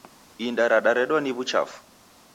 Inda radaredwa ni wuchafu